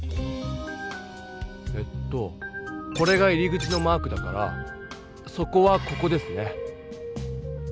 えっとこれが入り口のマークだから底はここですね。